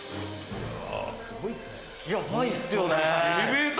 ヤバいっすよね。